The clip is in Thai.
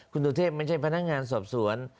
คุณสุเทพไม่ใช่พนักงานสอบสวน